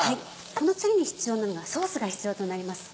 この次に必要なのがソースが必要となります。